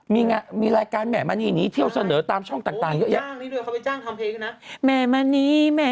มีงานมีแรกการแหม่มณีหนีเที่ยวเสนอตามช่องต่างต่างเยอะ